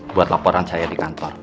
buat laporan saya di kantor